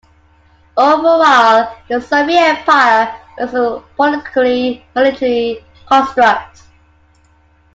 Overall, the Soviet Empire was a political-military construct.